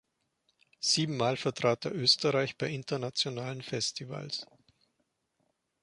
Sieben Mal vertrat er Österreich bei internationalen Festivals.